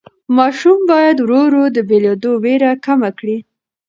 ماشوم باید ورو ورو د بېلېدو وېره کمه کړي.